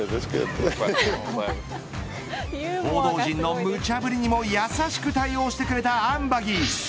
報道陣のむちゃぶりにも優しく対応してくれたアンバギー。